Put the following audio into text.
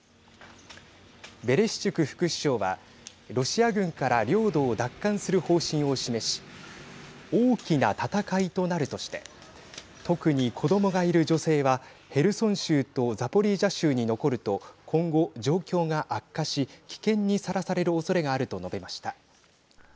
ベレシチュク副首相はロシア軍から領土を奪還する方針を示し大きな戦いとなるとして特に、子どもがいる女性はヘルソン州とザポリージャ州に残ると今後、状況が悪化し危険にさらされるおそれがあると述べました。